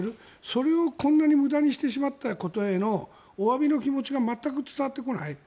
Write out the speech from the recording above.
それをこんなに無駄にしてしまったことへのおわびの気持ちが全く伝わってこない。